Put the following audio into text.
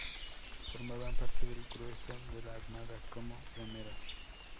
Formaban parte del grueso de la armada como remeros.